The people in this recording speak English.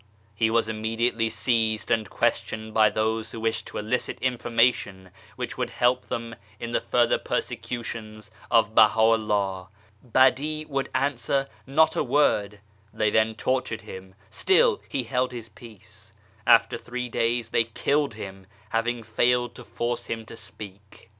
" He was immediately seized and questioned by those who wished to elicit information which would help them in the further persecutions of Baha'u'llah. Badi would answer not a word ; then they tortured him, still he held his peace ! After three days they killed him, having failed to force him to speak !